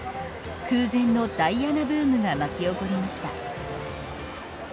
空前のダイアナブームが巻き起こりました。